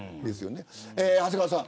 長谷川さん